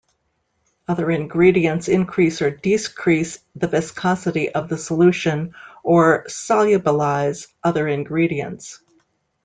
Other ingredients increase or decrease the viscosity of the solution, or solubilize other ingredients.